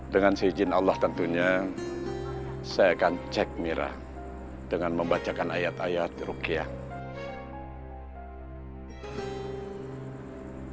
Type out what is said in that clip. dengan seizin allah tentunya saya akan cek mira dengan membacakan ayat ayat rukiah